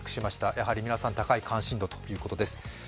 やはり皆さん高い関心度ということです。